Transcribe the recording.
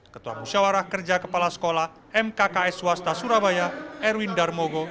ketua musyawarah kerja kepala sekolah mkks swasta surabaya erwin darmogo